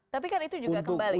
tapi kan itu juga kembali